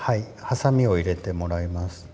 はさみを入れてもらいます。